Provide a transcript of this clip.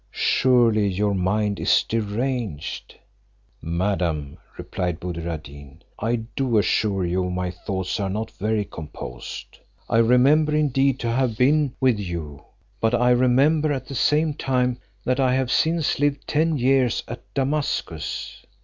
Surely your mind is deranged." "Madam," replied Buddir ad Deen, "I do assure you my thoughts are not very composed. I remember indeed to have been with you, but I remember at the same time, that I have since lived ten years at Damascus.